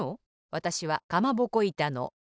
わたしはかまぼこいたのいた子。